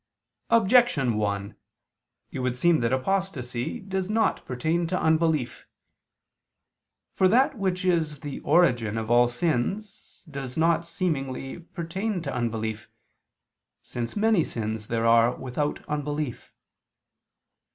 Objection 1: It would seem that apostasy does not pertain to unbelief. For that which is the origin of all sins, does not, seemingly, pertain to unbelief, since many sins there are without unbelief.